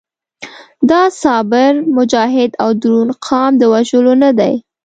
دا صابر، مجاهد او دروند قام د وژلو نه دی.